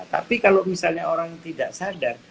tapi kalau misalnya orang tidak sadar